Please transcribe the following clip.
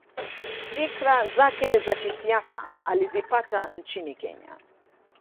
Fikra zake za kisiasa alizipata nchini Kenya